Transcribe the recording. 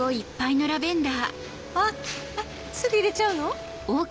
あっすぐ入れちゃうの？